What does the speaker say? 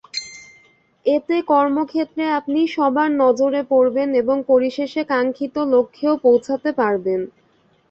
এতে কর্মক্ষেত্রে আপনি সবার নজরে পড়বেন এবং পরিশেষে কাঙ্ক্ষিত লক্ষ্যেও পৌঁছাতে পারবেন।